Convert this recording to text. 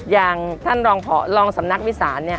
อย่างท่านรองสำนักวิสานเนี่ย